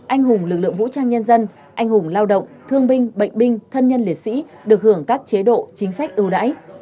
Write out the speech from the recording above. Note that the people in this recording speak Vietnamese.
anh hùng lực lượng vũ trang nhân dân anh hùng lao động thương binh bệnh binh thân nhân liệt sĩ được hưởng các chế độ chính sách ưu đãi